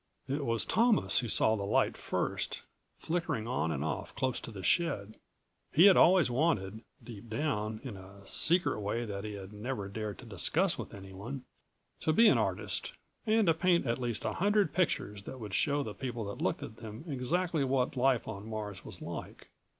It was Thomas who saw the light first, flickering on and off close to the shed. He had always wanted, deep down, in a secret way that he had never dared to discuss with anyone, to be an artist and paint at least a hundred pictures that would show the people who looked at them exactly what life on Mars was like.